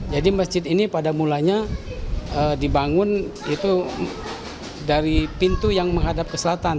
jadi masjid ini pada mulanya dibangun itu dari pintu yang menghadap ke selatan